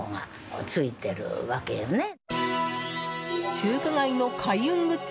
中華街の開運グッズ